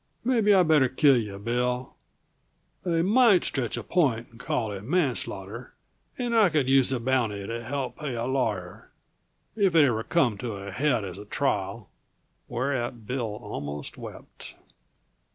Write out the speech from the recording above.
Maybe I'd better kill you, Bill; they might stretch a point and call it manslaughter and I could use the bounty to help pay a lawyer, if it ever come to a head as a trial." Whereat Bill almost wept.